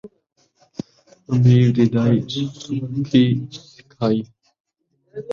امیر دی دائی، سکھی سکھائی